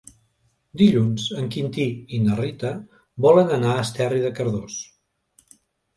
Dilluns en Quintí i na Rita volen anar a Esterri de Cardós.